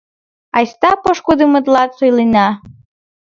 Айста, пошкудымытлан ойлена.